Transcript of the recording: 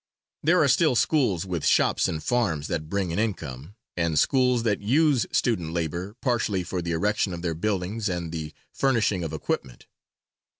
There are still schools with shops and farms that bring an income, and schools that use student labor partially for the erection of their buildings and the furnishing of equipment.